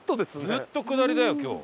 ずっと下りだよ今日。